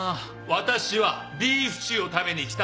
私はビーフシチューを食べに来たんだ！